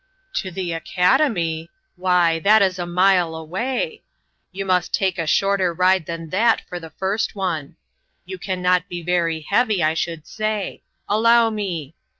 " To the academy ! Why, that is a mile away ! You must take a shorter ride than that for the first one. You can not be very heavy, I should say. Allow me."